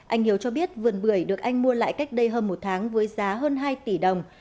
anh hiếu cho biết vườn bưởi được anh mua lại cách đây hơn một tháng với giá hơn hai tỷ đồng